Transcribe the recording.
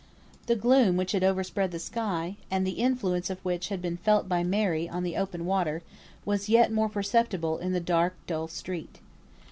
The gloom which had overspread the sky, and the influence of which had been felt by Mary on the open water, was yet more perceptible in the dark, dull street.